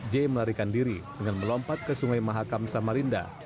j melarikan diri dengan melompat ke sungai mahakam samarinda